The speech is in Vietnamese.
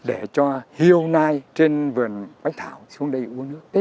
để cho hiêu nai trên vườn bách thảo xuống đây uống nước